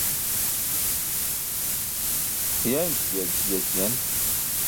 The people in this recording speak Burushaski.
hiẏanc giyaćiyen